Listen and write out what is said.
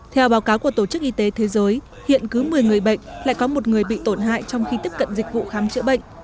theo báo cáo của tổ chức y tế thế giới hiện cứ một mươi người bệnh lại có một người bị tổn hại trong khi tiếp cận dịch vụ khám chữa bệnh